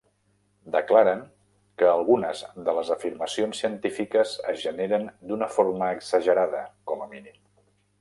Declaren que algunes de les afirmacions científiques es generen d"una forma exagerada, com a mínim.